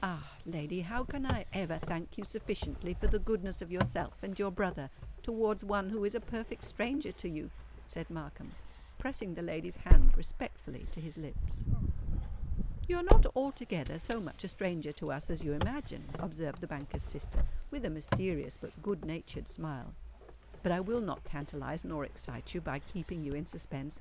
"Ah! lady, how can I ever thank you sufficiently for the goodness of yourself and your brother towards one who is a perfect stranger to you?" said Markham, pressing the lady's hand respectfully to his lips. "You are not altogether so much a stranger to us as you imagine," observed the banker's sister, with a mysterious but good natured smile. "But I will not tantalize, nor excite you by keeping you in suspense.